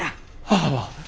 母は？